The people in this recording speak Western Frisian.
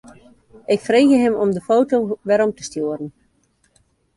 Ik frege him om de foto werom te stjoeren.